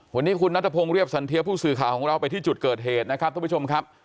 วันนี้คุณนัทพงศ์เรียบสันเทียผู้สื่อข่าวของเราไปที่จุดเกิดเหตุนะครับท่านผู้ชมครับ